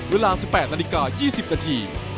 เวลา๑๘นาฬิกา๒๐นาที